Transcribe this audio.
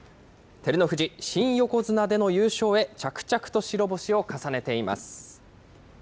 照ノ富士、新横綱での優勝へ、着々と白星を重ねています。